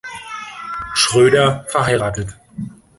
Schröder verheiratet.